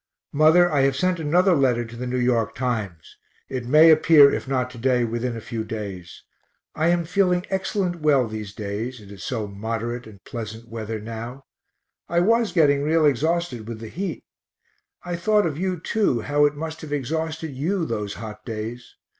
Mother, I have sent another letter to the N. Y. Times it may appear, if not to day, within a few days. I am feeling excellent well these days, it is so moderate and pleasant weather now; I was getting real exhausted with the heat. I thought of you too, how it must have exhausted you those hot days.